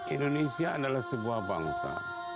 indonesia adalah sebuah bangsa